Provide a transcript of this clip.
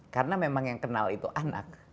karena memang yang kenal itu anak